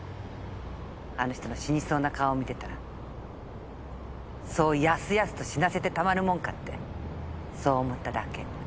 あの人の死にそうな顔を見てたらそうやすやすと死なせてたまるもんかってそう思っただけ。